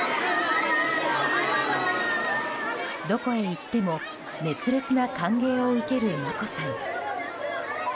どこへ行っても熱烈な歓迎を受ける眞子さん。